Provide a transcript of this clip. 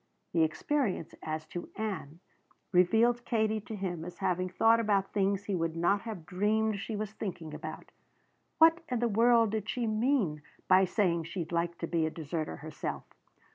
The experience as to Ann revealed Katie to him as having thought about things he would not have dreamed she was thinking about. What in the world did she mean by saying she'd like to be a deserter herself?